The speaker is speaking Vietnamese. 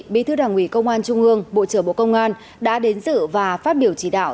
bí thư đảng ủy công an trung ương bộ trưởng bộ công an đã đến dự và phát biểu chỉ đạo